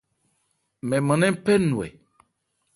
Mɛn mân nɛ́n phɛ́ nnwɛ.